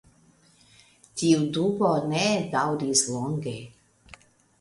Tiu dubo ne daŭris longe.